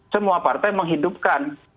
semua partai menghidupkan